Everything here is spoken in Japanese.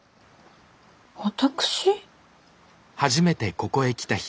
私？